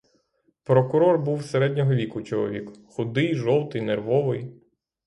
Прокурор був середнього віку чоловік, худий, жовтий, нервовий.